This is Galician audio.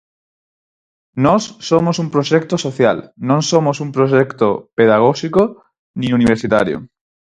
Nós somos un proxecto social, non somos un proxecto pedagóxico nin universitario.